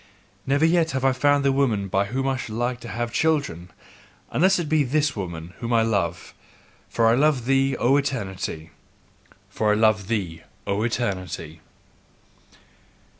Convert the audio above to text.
Never yet have I found the woman by whom I should like to have children, unless it be this woman whom I love: for I love thee, O Eternity! FOR I LOVE THEE, O ETERNITY!